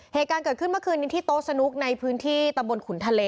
เหตุการณ์เกิดขึ้นเมื่อคืนนี้ที่โต๊ะสนุกในพื้นที่ตำบลขุนทะเล